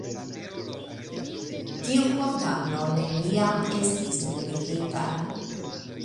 Tiu kondamno neniam estis nuligita.